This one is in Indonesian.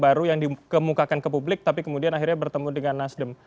baru yang dikemukakan ke publik tapi kemudian akhirnya bertemu dengan nasdem